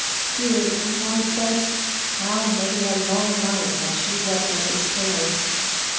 Dear little white bed! how many a long night had she wept on its pillow!